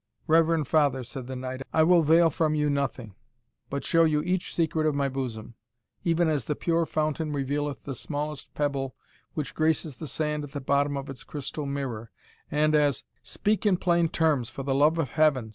"Reverend father," said the knight, "I will veil from you nothing, but show you each secret of my bosom; even as the pure fountain revealeth the smallest pebble which graces the sand at the bottom of its crystal mirror, and as " "Speak in plain terms, for the love of heaven!"